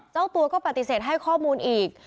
เจ้าตัวก็ปฏิเสธให้ข้อมูลอีก